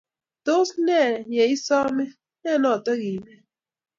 Tos ne ye isome? Ne noto iminy?